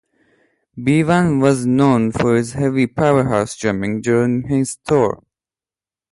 Bevan was known for his heavy powerhouse drumming during this tour.